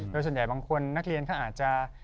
โดยส่วนใหญ่บางคนนักเรียนเขาอาจจะ